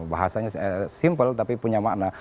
bahasanya simpel tapi punya makna